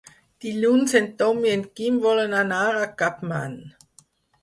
Dilluns en Tom i en Quim volen anar a Capmany.